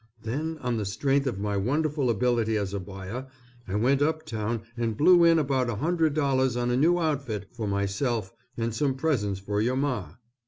Then on the strength of my wonderful ability as a buyer, I went up town and blew in about $100 on a new outfit for myself and some presents for your Ma.